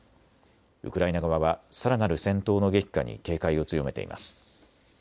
ウクライナ側はさらなる戦闘の激化に警戒を強めています。